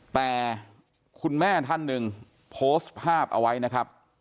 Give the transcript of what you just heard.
แต่คุณแม่ท่านหนึ่งโพสต์ภาพเอาไว้นะครับ